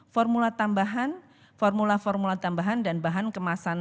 formula tambahan formula formula tambahan dan bahan kemasan